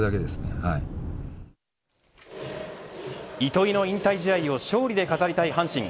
糸井の引退試合を勝利で飾りたい阪神。